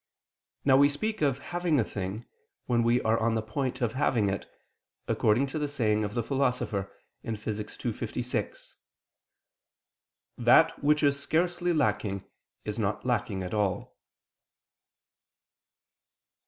Now we speak of having a thing when we are on the point of having it, according to the saying of the Philosopher (Phys. ii, text. 56): "That which is scarcely lacking is not lacking at all."